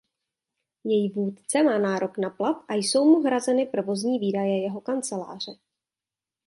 Její vůdce má nárok na plat a jsou mu hrazeny provozní výdaje jeho kanceláře.